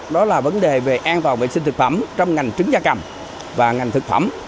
đó là vấn đề về an toàn vệ sinh thực phẩm trong ngành trứng da cầm và ngành thực phẩm